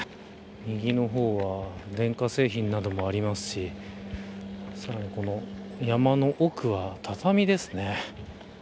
右の方は電化製品などもありますしさらにこの山の多くは畳ですね。